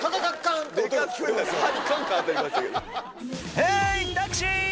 ヘーイタクシー！